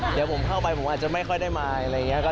เดี๋ยวผมเข้าไปผมอาจจะไม่ค่อยได้มาอะไรอย่างนี้